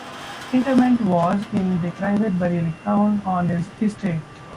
Interment was in the private burial ground on his estate.